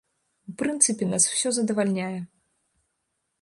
У прынцыпе нас усё задавальняе.